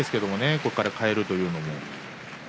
ここから変えるというのも。